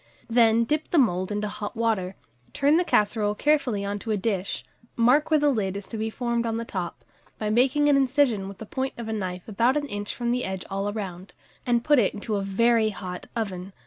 Then dip the mould into hot water, turn the casserole carefully on to a dish, mark where the lid is to be formed on the top, by making an incision with the point of a knife about an inch from the edge all round, and put it into a very hot oven.